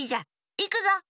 いくぞ。